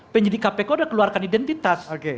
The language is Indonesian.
penyidik kpk sudah keluarkan identitas